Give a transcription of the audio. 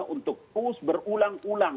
untuk terus berulang ulang